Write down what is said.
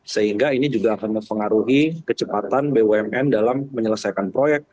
sehingga ini juga akan mempengaruhi kecepatan bumn dalam menyelesaikan proyek